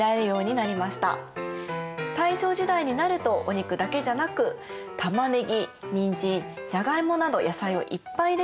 大正時代になるとお肉だけじゃなく玉ねぎにんじんじゃがいもなど野菜をいっぱい入れてボリュームを増やしたんです。